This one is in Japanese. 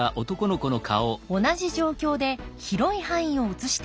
同じ状況で広い範囲を写しているルーズ。